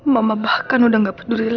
mama bahkan udah gak peduli lagi sama gue